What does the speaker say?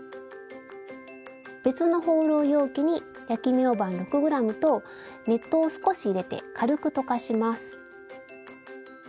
別のホウロウ容器に焼きみょうばん６ｇと熱湯を少し入れて軽く溶かします。